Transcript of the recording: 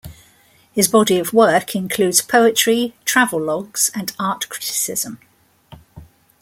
His body of work includes poetry, travelogues, and art criticism.